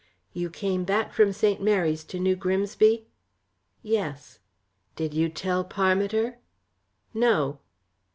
"You came back from St. Mary's to New Grimsby?" "Yes." "Did you tell Parmiter?" "No."